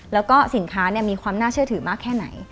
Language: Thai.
แล้วก็สินค้ามีความน่าเชื่อถือมากแค่ไหน